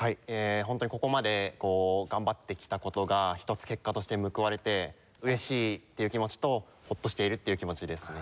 ホントにここまで頑張ってきた事が一つ結果として報われて嬉しいっていう気持ちとホッとしているっていう気持ちですね。